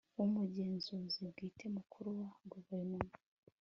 w Umugenzuzi Bwite Mukuru wa Guverinoma